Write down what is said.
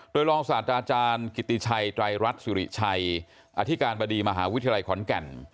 โดยรองศาสตราจารย์กิติชัยไตรรัฐสิริชัยอธิการบดีมหาวิทยาลัยขอนแก่น